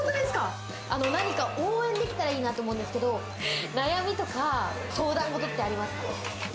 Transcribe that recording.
何か応援できたらいいなと思うんですけど、悩みとか相談事ってありますか？